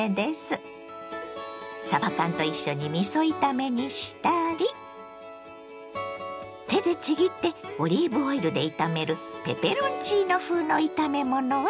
さば缶と一緒にみそ炒めにしたり手でちぎってオリーブオイルで炒めるペペロンチーノ風の炒め物はいかが？